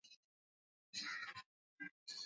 Ukimsikiliza utapotea